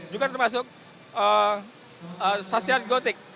juga termasuk sasyat gotik